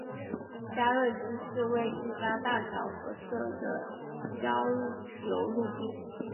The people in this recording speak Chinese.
家乐径是为了一家大小而设的郊游路径。